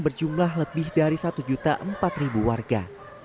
berjumlah lebih dari satu empat warga